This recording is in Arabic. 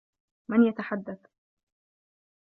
من يتحدّث؟